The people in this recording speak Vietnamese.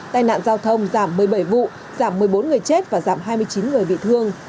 tai nạn giao thông giảm một mươi bảy vụ giảm một mươi bốn người chết và giảm hai mươi chín người bị thương